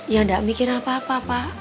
ya tidak mikir apa apa pak